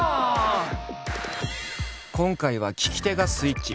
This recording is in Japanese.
今回は聞き手がスイッチ！